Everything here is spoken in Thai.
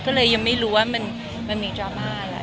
ก็เลยยังไม่รู้ว่ามันมีดราม่าอะไร